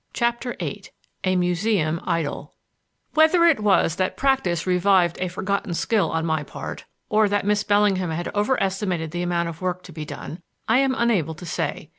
CHAPTER VIII A MUSEUM IDYLL Whether it was that practise revived a forgotten skill on my part, or that Miss Bellingham had over estimated the amount of work to be done, I am unable to say.